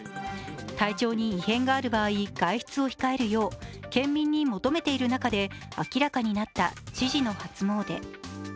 体調に異変がある場合外出を控えるよう県民に求めている中で明らかになった知事の初詣。